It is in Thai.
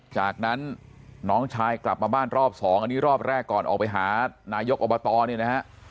จากนั้นน้องชายกลับมาบ้านรอบสองอันนี้รอบแรกก่อนออกไปหานายกอบตเนี่ยนะฮะ